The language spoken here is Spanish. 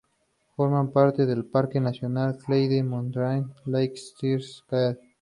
Forma parte del Parque nacional Cradle Mountain-Lake St Clair.